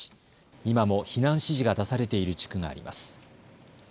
今も避難指示が出されている地区があります。